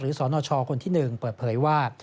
สนชคนที่๑เปิดเผยว่า